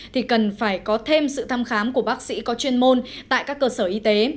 thì cần phải có thêm sự thăm khám của bác sĩ có chuyên môn tại các cơ sở y tế